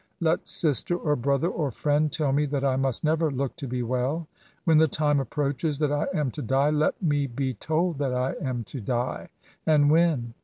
Let sister, or brother, or friend, tell me that I must never look to be well. When the time approaches that I am to die, let me be told that I am to die, and when.